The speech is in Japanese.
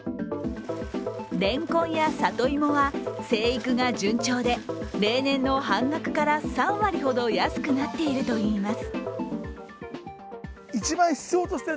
レンコンや里芋は生育が順調で例年の半額から３割ほど安くなっているといいます。